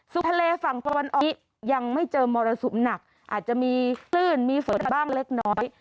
ทะเลฝั่งตะวันออกยังไม่เจอมรสุมหนักอาจจะมีคลื่นมีฝนบ้างเล็กน้อย